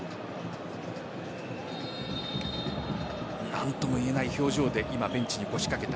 何ともいえない表情でベンチに腰かけた